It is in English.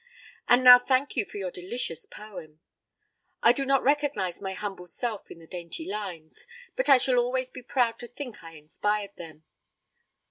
And now thank you for your delicious poem; I do not recognize my humble self in the dainty lines, but I shall always be proud to think I inspired them.